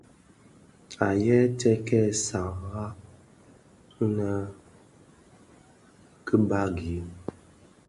Àa yêê tsee kêê sààghràg inë kêê bàgi.